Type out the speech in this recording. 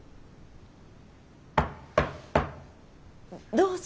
どうぞ。